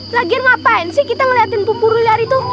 lagian ngapain sih kita ngeliatin pupur liar itu